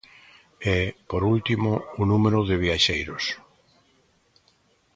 E, por último, o número de viaxeiros.